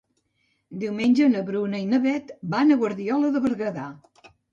Diumenge na Bruna i na Beth van a Guardiola de Berguedà.